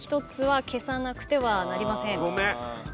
１つは消さなくてはなりません。